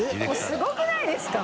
すごくないですか？